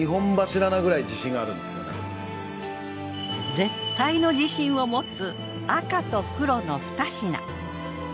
絶対の自信を持つ赤と黒のふた品。